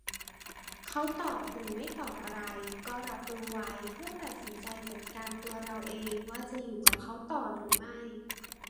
เขาตอบหรือไม่ตอบอะไร ก็รับรู้ไว้ เพื่อตัดสินใจจัดการตัวเราเอง ว่าจะ"อยู่"กับเขาต่อหรือไม่